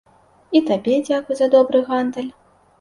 І табе дзякуй за добры гандаль.